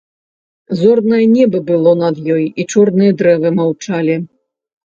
Зорнае неба было над ёю, і чорныя дрэвы маўчалі.